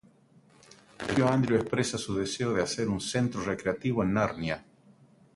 El tío Andrew expresa su deseo de hacer un centro recreativo en Narnia.